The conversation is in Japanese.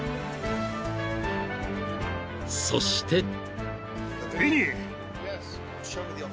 ［そして］